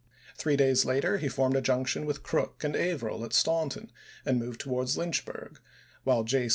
Three days later, he formed a junction with Crook and Averill at Staunton and moved towards Lynchburg, while J.